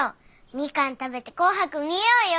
みかん食べて「紅白」見ようよ！